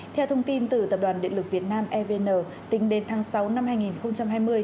theo thông tin từ tập đoàn điện lực việt nam evn tính đến tháng sáu năm hai nghìn hai mươi